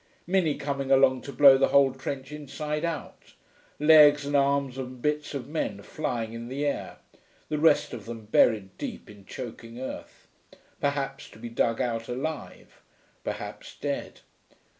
Minnie coming along to blow the whole trench inside out ... legs and arms and bits of men flying in the air ... the rest of them buried deep in choking earth ... perhaps to be dug out alive, perhaps dead....